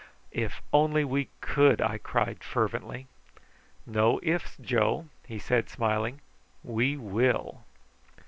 "If we only could!" I cried fervently. "No ifs, Joe," he said smiling; "we will!"